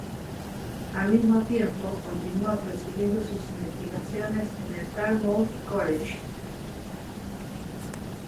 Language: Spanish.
Al mismo tiempo, continúa prosiguiendo sus investigaciones en el Dartmouth College.